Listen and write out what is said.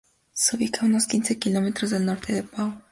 Se ubica a unos quince kilómetros al norte de Pau.